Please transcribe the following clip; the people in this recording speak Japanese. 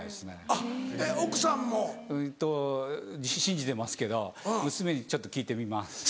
あっえっ奥さんも？と信じてますけど娘にちょっと聞いてみます。